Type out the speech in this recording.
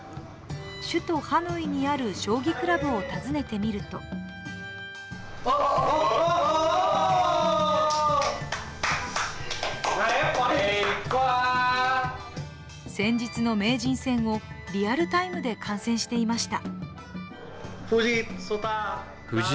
首都ハノイにある将棋クラブを訪ねてみると先日の名人戦をリアルタイムで観戦していました。